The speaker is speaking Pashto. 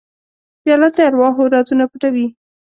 پیاله د ارواحو رازونه پټوي.